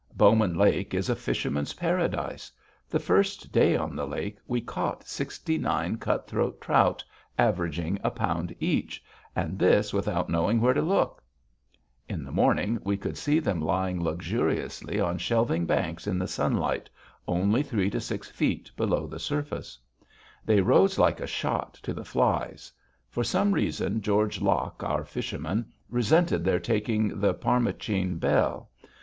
Bowman Lake is a fisherman's paradise. The first day on the lake we caught sixty nine cut throat trout averaging a pound each, and this without knowing where to look. [Illustration: Getting ready for the day's fishing at camp on Bowman Lake] In the morning, we could see them lying luxuriously on shelving banks in the sunlight, only three to six feet below the surface. They rose, like a shot, to the flies. For some reason, George Locke, our fisherman, resented their taking the Parmachene Belle.